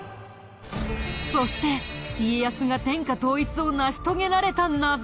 そして家康が天下統一を成し遂げられた謎。